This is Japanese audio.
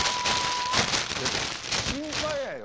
いや心配やよ。